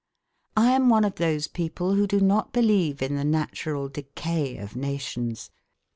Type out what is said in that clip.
I am one of those people who do not believe in the natural decay of nations.